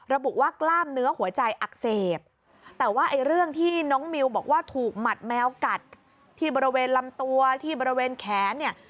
ระบุว่ากล้ามเนื้อหัวใจอักเสบแต่ว่าไอ้เรื่องที่น้องมิวบอกว่าถูกหมัดแมวกัดที่บริเวณลำตัวที่บริเวณแขนเนี่ย